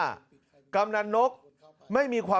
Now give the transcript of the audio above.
คุณผู้ชมฟังช่างปอลเล่าคุณผู้ชมฟังช่างปอลเล่า